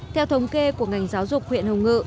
theo thống kê của ngành giáo dục huyện hồng ngự